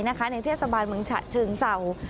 ในเทศบาลเมืองฉะเชิงเศร้า